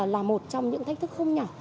là một trong những thách thức không nhỏ